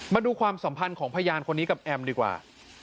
มาดูความสัมพันธ์ของพยานคนนี้กับแอมดีกว่า